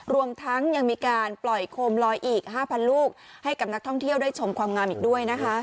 รวมทั้งยังมีการปล่อยโคมลอยอีก๕๐๐ลูกให้กับนักท่องเที่ยวได้ชมความงามอีกด้วยนะคะ